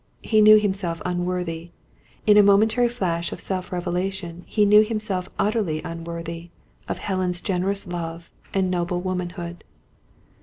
He knew himself unworthy in a momentary flash of self revelation he knew himself utterly unworthy of Helen's generous love, and noble womanhood.